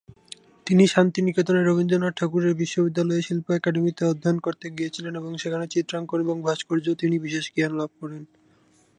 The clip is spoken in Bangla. তিনি শান্তিনিকেতনে রবীন্দ্রনাথ ঠাকুরের বিশ্ববিদ্যালয়ে শিল্প একাডেমিতে অধ্যয়ন করতে গিয়েছিলেন এবং সেখানে চিত্রাঙ্কন এবং ভাস্কর্য তিনি বিশেষ জ্ঞান লাভ করেন।